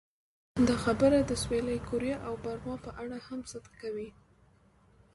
دا خبره د سویلي کوریا او برما په اړه هم صدق کوي.